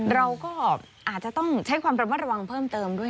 เราก็อาจจะต้องใช้ความระมัดระวังเพิ่มเติมด้วย